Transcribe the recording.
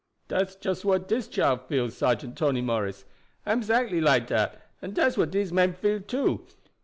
"Dat's just what dis chile feel, Sergeant Tony Morris; I am zactly like dat, and dat's what dese men feel too.